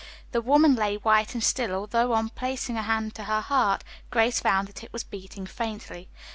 The woman lay white and still, although on placing a hand to her heart Grace found that it was beating faintly.